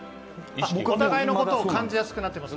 お互いのことを感じやすくなっています。